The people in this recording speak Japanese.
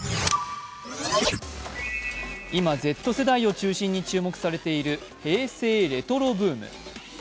今Ｚ世代を中心に注目されている平成レトロブーム。